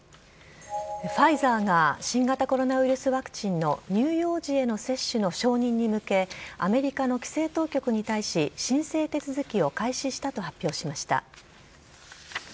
ファイザーが新型コロナウイルスワクチンの乳幼児への接種の承認に向け、アメリカの規制当局に対し、申請手続きを開始したと発表しました。